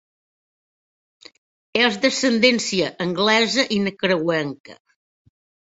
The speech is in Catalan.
És d'ascendència anglesa i nicaragüenca.